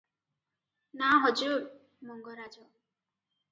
"ନା ହଜୁର! ମଙ୍ଗରାଜ ।"